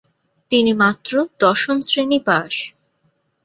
তিনি মাত্র দশম শ্রেনি পাস।